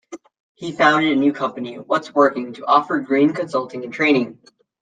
He founded a new company, What's Working, to offer green consulting and training.